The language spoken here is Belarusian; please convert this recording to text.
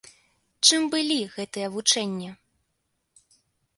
Чым былі гэтыя вучэнні?